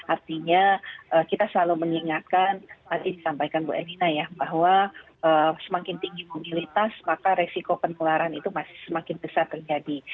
artinya kita selalu mengingatkan tadi disampaikan bu elina ya bahwa semakin tinggi mobilitas maka resiko penularan itu masih semakin besar terjadi